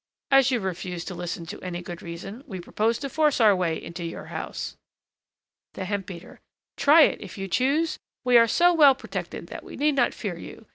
As you refuse to listen to any good reason, we propose to force our way into your house. THE HEMP BEATER. Try it, if you choose. We are so well protected that we need not fear you.